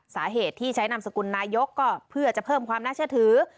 สาเหตุที่ใช้นามสกุลนายกก็เพื่อจะเพิ่มความน่าเชื่อถือ